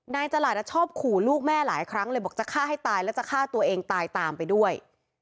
นายฉลาดชอบขู่ลูกแม่หลายครั้งเลยบอกจะฆ่าให้ตายแล้วจะฆ่าตัวเองตายตามไปด้วย